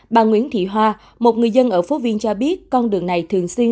bà nguyễn thị hoa một người dân ở phố viên cho biết con đường này thường xuyên